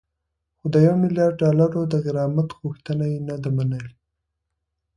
خو د یو میلیارد ډالرو د غرامت غوښتنه یې نه ده منلې